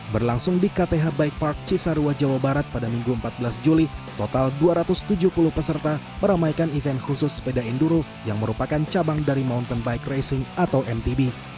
berlangsung di kth bike park cisarua jawa barat pada minggu empat belas juli total dua ratus tujuh puluh peserta meramaikan event khusus sepeda enduro yang merupakan cabang dari mountain bike racing atau mtb